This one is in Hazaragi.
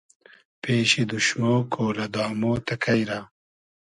پېشی دوشمۉ کۉلۂ دامۉ تئکݷ رۂ